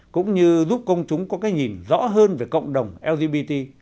cũng như giúp công chúng có cái nhìn rõ hơn về cộng đồng lgbt